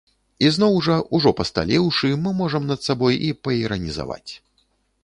Ізноў жа, ужо пасталеўшы, мы можам над сабой і паіранізаваць.